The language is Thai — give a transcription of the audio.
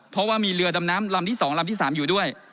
เพราะว่ามีเรือดำน้ำลำที่๒ลำที่๓อยู่ด้วย